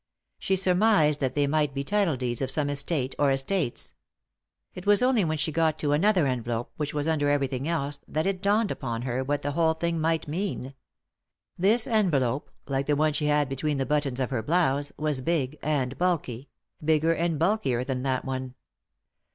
She surmised that they might be title deeds of some estate or estates. It was only when she got to another envelope, which was under everything else, that it dawned upon her what the whole thing might mean. This envelope, like the one she had between the buttons of her blouse, was big and bulky ; bigger and bulkier than that one.